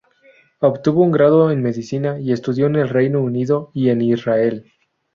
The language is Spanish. Obtuvo un grado en medicina y estudió en el Reino Unido y en Israel.